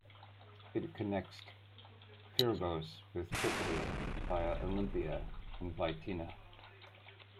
It connects Pyrgos with Tripoli, via Olympia and Vytina.